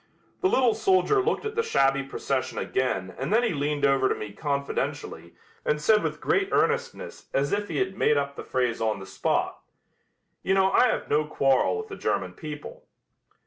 The little soldier looked at the shabby procession again and then he leaned over to me confidentially and said with great earnestness as if he had made up the phrase on the spot: "You know I have no quarrel with the German people."